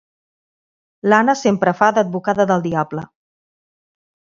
L'Anna sempre fa d'advocada del diable.